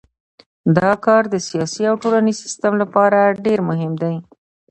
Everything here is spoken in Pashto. دا کار د سیاسي او ټولنیز سیستم لپاره ډیر مهم دی.